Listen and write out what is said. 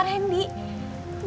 meka sekarang udah bahagia sama randy